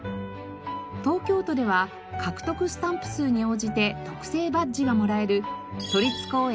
東京都では獲得スタンプ数に応じて特製バッジがもらえる都立公園